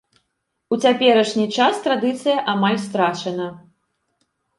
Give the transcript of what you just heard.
У цяперашні час традыцыя амаль страчана.